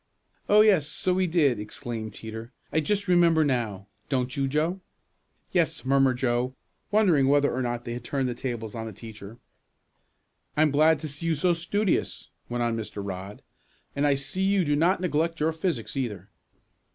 "Oh, yes, so we did!" exclaimed Teeter. "I just remember now; don't you, Joe?" "Yes," murmured Joe, wondering whether or not they had turned the tables on the teacher. "I am glad to see you so studious," went on Mr. Rodd. "And I see you do not neglect your physics, either.